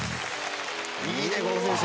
いいね、この選手。